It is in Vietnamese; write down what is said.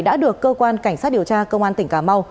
đã được cơ quan cảnh sát điều tra công an tỉnh cà mau